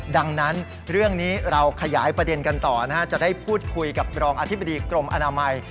ดังนั้นเรื่องนี้เราขยายประเด็นกันต่อนะฮะจะได้พูดคุยกับรองอธิบดีกรมอนามัย